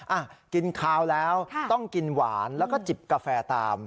อ่ะกินข้าวแล้วต้องกินหวานแล้วก็จิบกาแฟตาม